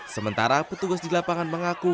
sementara petugas di lapangan mengaku